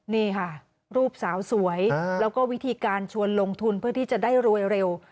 นี่ค่ะรูปสาวสวยแล้วก็วิธีการชวนลงทุนเพื่อที่จะได้รวยเร็ว